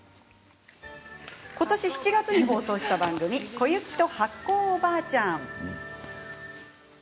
今年７月に放送した番組「小雪と発酵おばあちゃん」。